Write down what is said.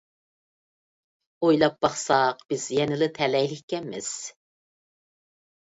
ئويلاپ باقساق بىز يەنىلا تەلەيلىككەنمىز.